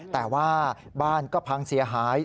แต่ว่าบ้านก็พังเสียหาย